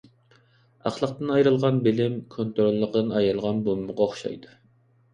ئەخلاقتىن ئايرىلغان بىلىم، كونتروللۇقىدىن ئايرىلغان بومبىغا ئوخشايدۇ.